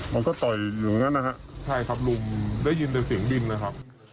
มันก็ต่อยอยู่อย่างนั้นนะครับใช่ครับลุมได้ยินแต่เสียงบินนะครับ